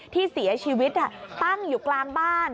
ที่เสียชีวิตตั้งอยู่กลางบ้าน